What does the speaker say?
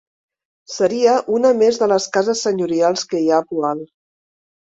Seria una més de les cases senyorials que hi ha a Poal.